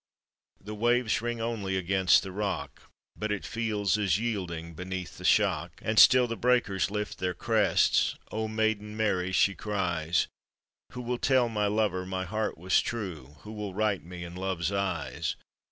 The waves ring only against the rock, But it feels as yielding beneath the shock. And still the breakers lift their crests, "O maiden Mary," she cries, " Who will tell my lover my heart was true, Who will right me in love's eyes?''